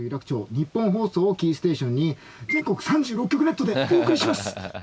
ニッポン放送をキーステーションに全国３６局ネットでお送りします。